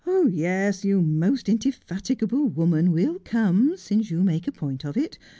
Yes, you most indefatigable woman, we'll come, since you make a point of it.